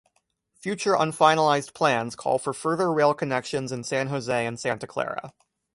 Future, unfinalized plans call for further rail connections in San Jose and Santa Clara.